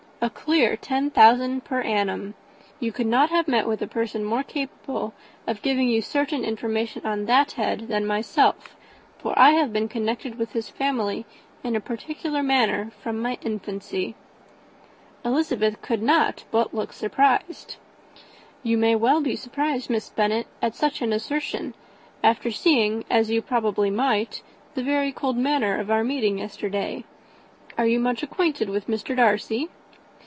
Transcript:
A clear ten thousand per annum. You could not have met with a person more capable of giving you certain information on that head than myself for I have been connected with his family, in a particular manner, from my infancy." Elizabeth could not but look surprised. "You may well be surprised, Miss Bennet, at such an assertion, after seeing, as you probably might, the very cold manner of our meeting yesterday. Are you much acquainted with Mr. Darcy?"